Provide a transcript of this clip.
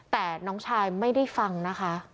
แต่น้องชายไม่ได้ฟังนะคะ